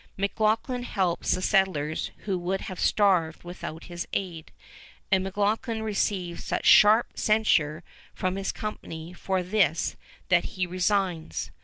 McLoughlin helps the settlers who would have starved without his aid, and McLoughlin receives such sharp censure from his company for this that he resigns.